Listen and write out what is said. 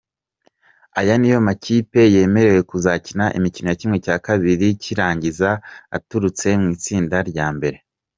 Aya niyo makipe yemerewe kuzakina imikino ya ½ cy’irangiza aturutse mu itsinda rya mbere.